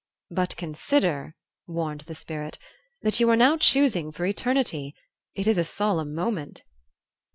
"But consider," warned the Spirit, "that you are now choosing for eternity. It is a solemn moment."